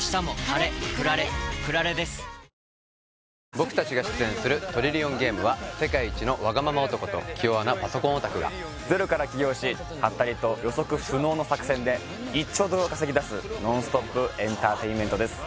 僕たちが出演する「トリリオンゲーム」は世界一のワガママ男と気弱なパソコンオタクがゼロから起業しハッタリと予測不能の作戦で１兆ドルを稼ぎ出すノンストップ・エンターテインメントです